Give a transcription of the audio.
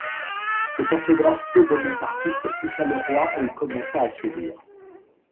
Cette orthographe peu bonapartiste toucha le roi et il commença à sourire.